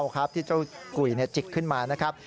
ครับที่เจ้ากุยจิกขึ้นมานะครับ